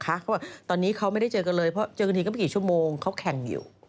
เขาบอกตอนนี้เขาไม่ได้เจอกันเลยเพราะเจอกันทีก็ไม่กี่ชั่วโมงเขาแข่งอยู่